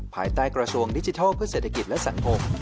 ภายใต้กระทรวงดิจิทัลเพื่อเศรษฐกิจและสังคม